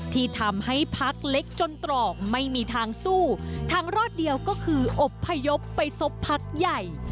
ที่ทำให้พักเล็กจนตรอกไม่มีทางสู้ทางรอดเดียวก็คืออบพยพไปซบพักใหญ่